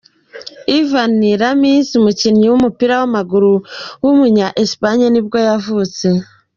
Iván Ramis, umukinnyi w’umupira w’amaguru w’umunya Espagne nibwo yavutse.